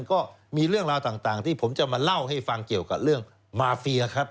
ก็มีเรื่องราวต่างที่ผมจะมาเล่าให้ฟังเกี่ยวกับเรื่องมาเฟียครับ